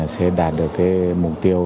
sẽ đạt được cái mục tiêu